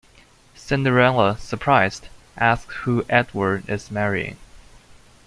Cinderella, surprised, asks who Edward is marrying.